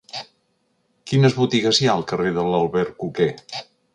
Quines botigues hi ha al carrer de l'Albercoquer?